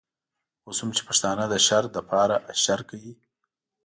اوس هم چې پښتانه د شر لپاره اشر کوي.